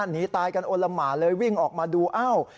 หนีตายกันโอละหมาเลยวิ่งออกมาดูอ้าว